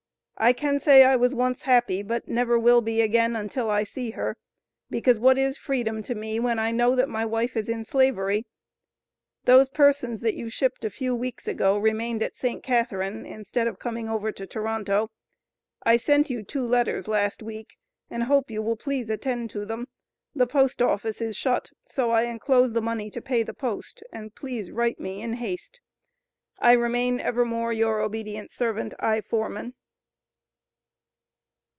I can say I was once happy, but never will be again, until I see her; because what is freedom to me, when I know that my wife is in slavery? Those persons that you shipped a few weeks ago, remained at St. Catherine, instead of coming over to Toronto. I sent you two letters last week and I hope you will please attend to them. The post office is shut, so I enclose the money to pay the post, and please write me in haste. I remain evermore your obedient servant, I. FORMAN.